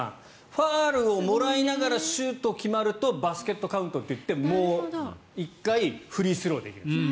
ファウルをもらいながらシュートが決まるとバスケットカウントといってもう一回フリースローできる。